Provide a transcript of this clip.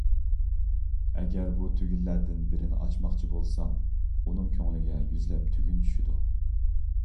ئەگەر بۇ تۈگۈنلەردىن بىرنى ئاچماقچى بولسا، ئۇنىڭ كۆڭلىگە يۈزلەپ تۈگۈن چۈشىدۇ.